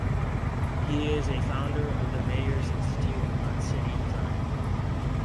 He is a founder of the Mayors' Institute on City Design.